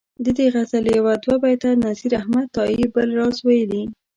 دې غزلي یو دوه بیته نذیر احمد تائي بل راز ویلي.